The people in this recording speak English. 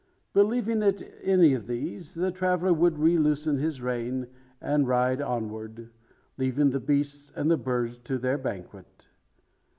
Believing it any of these, the traveller would reloosen his rein, and ride onward, leaving the beasts and birds to their banquet.